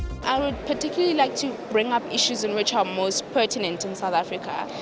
saya akan mengambil isu isu yang paling pertinah di south africa